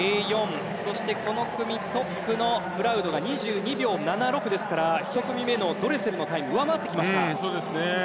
そしてこの組トップのプラウドが２２秒７６ですから１組目のドレセルのタイムを上回ってきました。